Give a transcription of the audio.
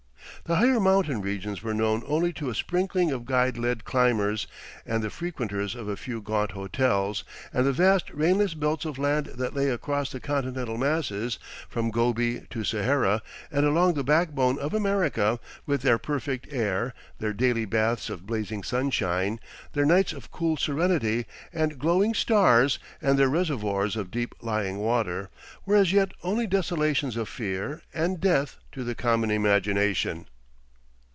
The higher mountain regions were known only to a sprinkling of guide led climbers and the frequenters of a few gaunt hotels, and the vast rainless belts of land that lay across the continental masses, from Gobi to Sahara and along the backbone of America, with their perfect air, their daily baths of blazing sunshine, their nights of cool serenity and glowing stars, and their reservoirs of deep lying water, were as yet only desolations of fear and death to the common imagination.